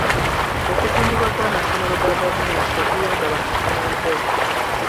Okutundibwa kw'amasomero ga gavumenti tekuyamba bamufunampola.